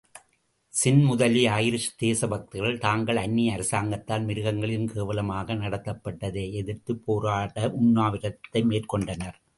ஸின் முதலிய ஐரிஷ் தேசபக்தர்கள் தாங்கள் அந்நிய அரசாங்கத்தால் மிருகங்களிலும் கேவலமாக நடக்கப்பட்டதை எதிர்த்துப் போராட உண்ணாவிரதத்தையே மேற்கொண்டனர்.